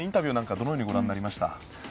どのようにご覧になりましたか。